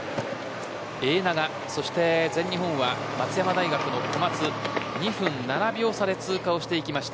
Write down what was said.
永長そして全日本は松山大学の小松２分７秒差で通過していきました。